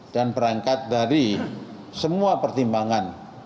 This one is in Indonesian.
dan berangkat dari semua pertimbangan